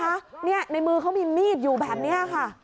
ในมือเขามีมีดอยู่แบบนี้ค่ะ